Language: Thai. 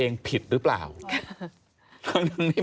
ก็ต้องมาถึงจุดตรงนี้ก่อนใช่ไหม